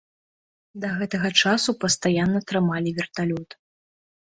Да гэтага часу пастаянна трымалі верталёт.